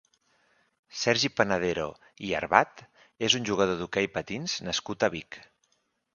Sergi Panadero i Arbat és un jugador d'hoquei patins nascut a Vic.